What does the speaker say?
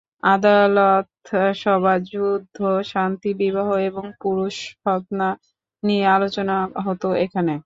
আদালত, সভা, যুদ্ধ, শান্তি, বিবাহ এবং পুরুষ খৎনা নিয়ে আলোচনা হতো এখানে।